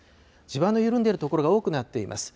地盤の緩んでいる所が多くなっています。